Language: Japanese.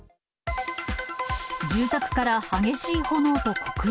住宅から激しい炎と黒煙。